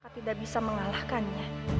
tidak bisa mengalahkannya